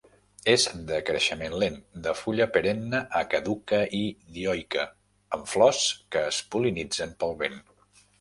És de creixement lent, de fulla perenne a caduca i dioica, amb flors que es pol·linitzen pel vent.